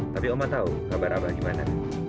tapi oma tahu kabar abang gimana